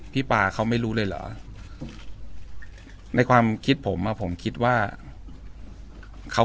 ปาเขาไม่รู้เลยเหรอในความคิดผมอ่ะผมคิดว่าเขา